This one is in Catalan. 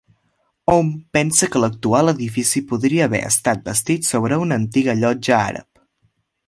Hom pensa que l'actual edifici podria haver estat bastit sobre una antiga llotja àrab.